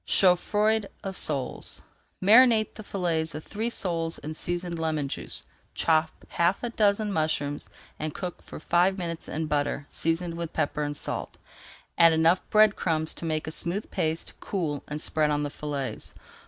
CHAUDFROID OF SOLES Marinate the fillets of three soles in seasoned lemon juice. Chop half a dozen mushrooms and cook for five minutes in butter, [Page 400] seasoned with pepper and salt. Add enough bread crumbs to make a smooth paste, cool, and spread on the fillets.